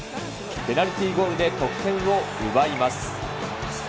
ペナルティーゴールで得点を奪います。